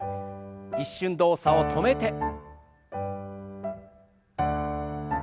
一瞬動作を止めて。